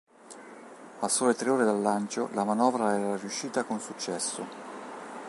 A sole tre ore dal lancio la manovra era riuscita con successo.